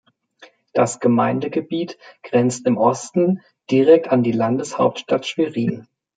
Das Gemeindegebiet grenzt im Osten direkt an die Landeshauptstadt Schwerin.